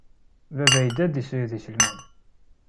Baba yedda ad d-iṣeyyed iselman.